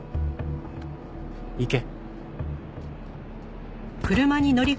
行け。